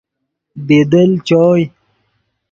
بی دل چوئے۔